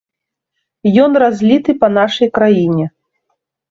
Ён разліты па нашай краіне.